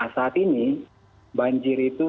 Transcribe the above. saat ini banjir itu